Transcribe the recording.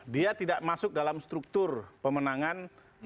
dia tidak masuk dalam struktur pemenangan